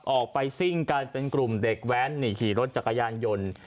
ออกไปซิ่งกันเป็นกลุ่มเด็กแว้นขี่รถจักรยานยนต์